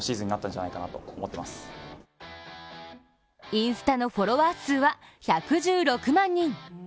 インスタのフォロワー数は１１６万人。